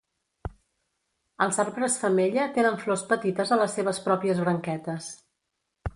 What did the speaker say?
Els arbres femella tenen flors petites a les seves pròpies branquetes.